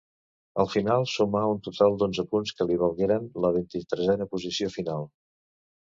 Al final sumà un total d'onze punts que li valgueren la vint-i-tresena posició final.